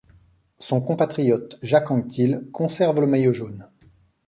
Son compatriote Jacques Anquetil conserve le maillot jaune.